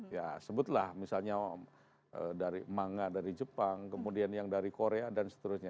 ya sebutlah misalnya dari manga dari jepang kemudian yang dari korea dan seterusnya